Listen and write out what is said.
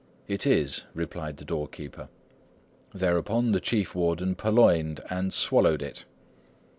'It is,' replied the doorkeeper. Thereupon, the Chief Warden purloined and swallowed it.